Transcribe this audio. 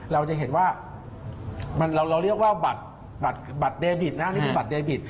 เราจะเห็นว่าเราเรียกว่าบัตรเดบิต